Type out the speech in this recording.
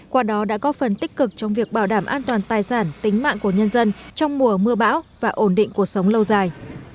qua đó đã có phần tích cực trong việc bảo đảm an toàn tài sản tính mạng của nhân dân trong mùa mưa bão và ổn định cuộc sống lâu dài